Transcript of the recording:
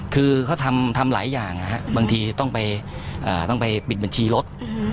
คือเขาทำหลายอย่างบางทีต้องไปปิดบัญชีรถ